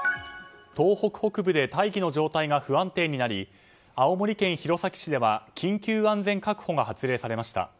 東北北部で大気の状態が不安定になり青森県弘前市では緊急安全確保が発令されました。